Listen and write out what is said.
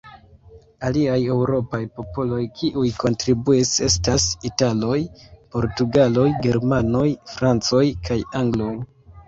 Aliaj eŭropaj popoloj kiuj kontribuis estas: italoj, portugaloj, germanoj, francoj kaj angloj.